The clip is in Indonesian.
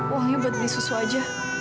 uangnya buat beli susu aja